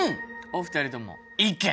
お二人とも「意見」。